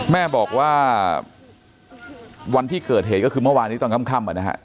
แม่บอกว่าวันที่เกิดเหตุก็คือเมื่อวานนี้ตอนค่ำ